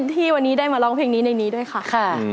ที่วันนี้ได้มาร้องเพลงนี้ในนี้ด้วยค่ะ